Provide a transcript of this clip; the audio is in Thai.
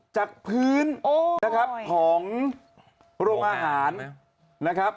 จากพื้นนะครับของโรงอาหารนะครับ